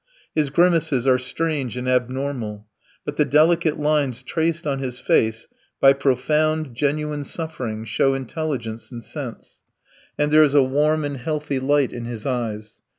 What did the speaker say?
His grimaces are strange and abnormal, but the delicate lines traced on his face by profound, genuine suffering show intelligence and sense, and there is a warm and healthy light in his eyes.